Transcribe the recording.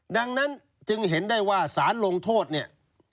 ดังนั้นจึงเห็นได้ว่าสารลงโทษเนี่ย